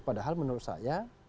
padahal menurut saya